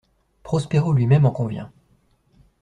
Prospero lui-même en convient.